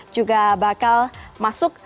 juga bakal masuk